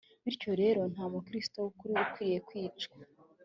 bityo rero nta mukristo w ukuri ukwiriye kwica